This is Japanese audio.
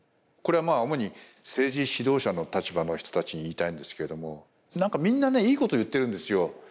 これはまあ主に政治指導者の立場の人たちに言いたいんですけれどもなんかみんなねいいこと言ってるんですよ。